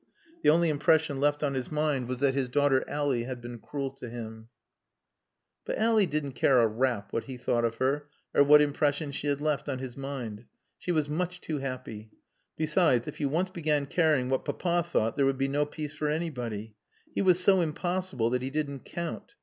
The only impression left on his mind was that his daughter Ally had been cruel to him. But Ally didn't care a rap what he thought of her, or what impression she had left on his mind. She was much too happy. Besides, if you once began caring what Papa thought there would be no peace for anybody. He was so impossible that he didn't count.